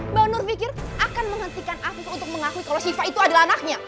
mbak nur pikir akan menghentikan aku untuk mengakui kalau siva itu adalah anaknya